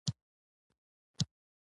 زما د مور په خوله تل خندا وي او مینه کوي